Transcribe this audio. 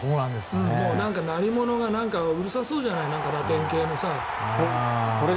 鳴り物がうるさそうじゃないラテン系のさ。